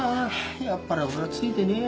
やっぱり俺はついてねえや。